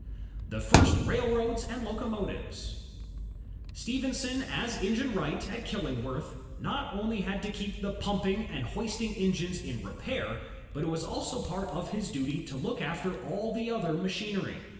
The First Railroads and Locomotives Stephenson as engine wright at Killingworth not only had to keep the pumping and hoisting engines in repair, but it was also part of his duty to look after all the other machinery.